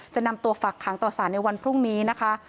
จะนำตัวฝักขังต่อสารในวันพรุ่งนี้นะคะ